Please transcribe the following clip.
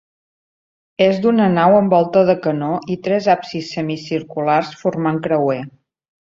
És d'una nau amb volta de canó i tres absis semicirculars formant creuer.